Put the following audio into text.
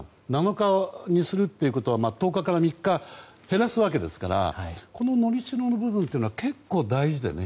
７日にするというのは１０日から３日減らすわけですからこの、のりしろの部分というのは結構大事でね。